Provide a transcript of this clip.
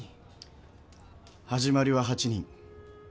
始まりは８人。